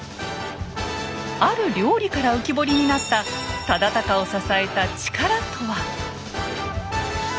ある料理から浮き彫りになった忠敬を支えた力とは？